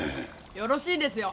よろしいですよ。